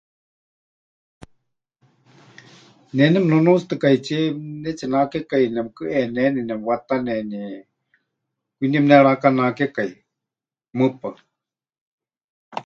Ne nemɨnunuutsitɨkaitsíe pɨnetsinakekai nemɨkɨʼeneni, nemɨwataneni, kwinie pɨnerakanakekai, mɨpaɨ.